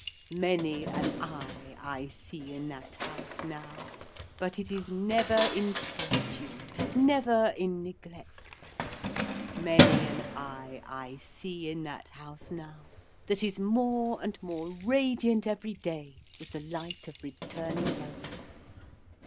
Many an Eye I see in that House now, but it is never in solitude, never in neglect. Many an Eye I see in that House now, that is more and more radiant every day with the light of returning health.